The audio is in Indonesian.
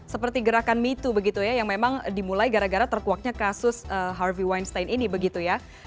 dan juga gerakan mitu begitu ya yang memang dimulai gara gara terkuaknya kasus harvey weinstein ini begitu ya